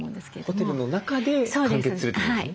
ホテルの中で完結するってことですね。